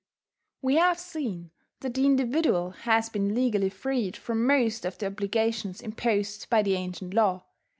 We have seen that the individual has been legally freed from most of the obligations imposed by the ancient law.